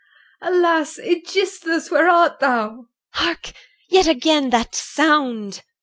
Alas, Aegisthus! where art thou? EL. Hark! yet again that sound!